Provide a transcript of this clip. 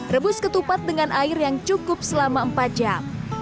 rebus ketupat dengan air yang cukup selama empat jam